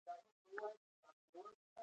زه د بدن د وزن کنټرول کوم.